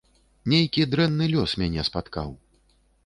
Нейкі дрэнны лёс мяне спаткаў.